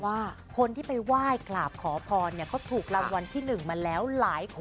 ว่าคนที่ไปว่ายกราบขอพรเนี่ยเขาถูกรับวันที่หนึ่งมาแล้วหลายคน